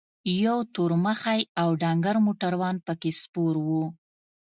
یو تور مخی او ډنګر موټروان پکې سپور و.